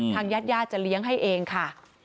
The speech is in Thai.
ทางญาติญาติจะเลี้ยงให้เองค่ะ